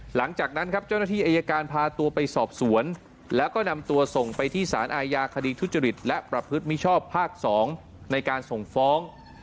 หลังจากนั้นครับเจ้าหน้าที่อายการพาตัวไปสอบสวนแล้วก็นำตัวส่งไปที่สารอาญาคดีทุจริตและประพฤติมิชชอบภาค๒ในการส่งฟ้อง